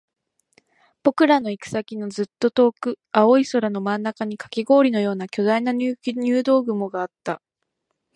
僕らの行く先のずっと遠く、青い空の真ん中にカキ氷のような巨大な入道雲があった